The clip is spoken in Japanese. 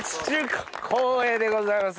光栄でございます。